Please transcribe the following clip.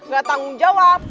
gak tanggung jawab